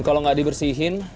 kalau gak dibersihin